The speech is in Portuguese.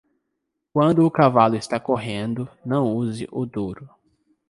Quando o cavalo está correndo, não use o duro.